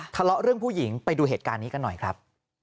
ทะเลาะเรื่องผู้หญิงไปดูเหตุการณ์นี้กันหน่อยครับ